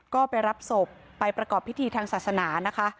ก็ไปรับศพไปประกอบพิธีทางศาสนานะคะ